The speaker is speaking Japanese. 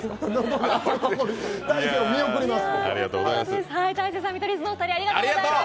大晴を見送ります。